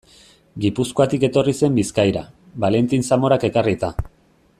Gipuzkoatik etorri zen Bizkaira, Valentin Zamorak ekarrita.